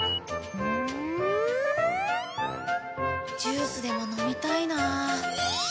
ジュースでも飲みたいなあ。